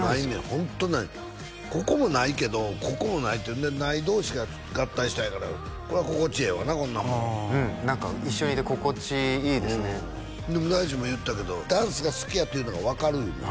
ホントないここもないけどここもないってない同士が合体したんやからこれは心地ええわなこんなもんうん何か一緒にいて心地いいですねでも大知も言ったけどダンスが好きやっていうのが分かるいうのよ